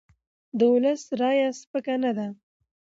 د ولس رایه سپکه نه ده